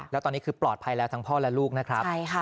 แล้วตอนนี้คือปลอดภัยแล้วทั้งพ่อและลูกนะครับ